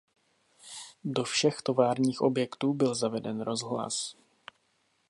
Do všech továrních objektů byl zaveden rozhlas.